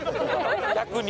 逆に。